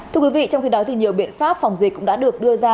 thưa quý vị trong khi đó thì nhiều biện pháp phòng dịch cũng đã được đưa ra